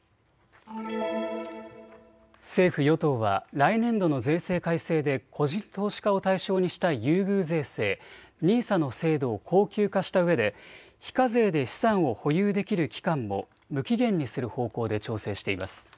政府与党は来年度の税制改正で個人投資家を対象にした優遇税制、ＮＩＳＡの制度を恒久化したうえで非課税で資産を保有できる期間も無期限にする方向で調整しています。